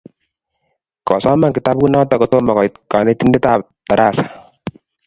Kosoman kitabut noto kotomo koit kanetindet tarasa